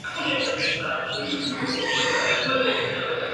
Su capital y ciudad más poblada es Honiara, ubicada en la isla de Guadalcanal.